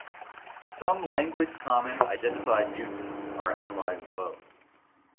Some language-common identified uses are outlined below.